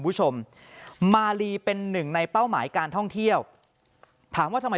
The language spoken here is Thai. คุณผู้ชมมาลีเป็นหนึ่งในเป้าหมายการท่องเที่ยวถามว่าทำไม